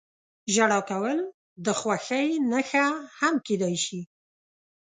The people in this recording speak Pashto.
• ژړا کول د خوښۍ نښه هم کېدای شي.